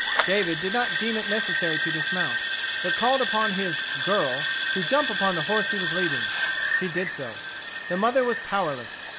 David did not deem it necessary to dismount, but called upon his "girl" to jump upon the horse he was leading. She did so. The mother was powerless.